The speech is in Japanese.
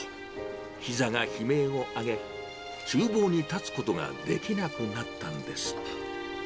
ひざが悲鳴を上げ、ちゅう房に立つことができなくなったのです。